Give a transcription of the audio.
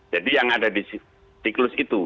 jadi yang ada di klus itu